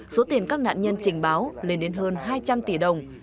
số tiền các nạn nhân trình báo lên đến hơn hai trăm linh tỷ đồng